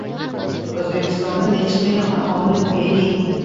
O’zbekistonda nechi million aholi Beeling